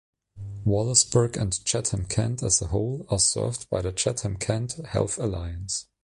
Wallaceburg and Chatham-Kent as a whole are served by the Chatham-Kent Health Alliance.